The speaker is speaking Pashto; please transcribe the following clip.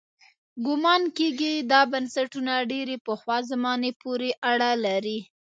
ګومان کېږي دا بنسټونه ډېرې پخوا زمانې پورې اړه لري.